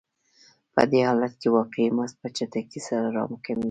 په دې حالت کې واقعي مزد په چټکۍ سره راکمېږي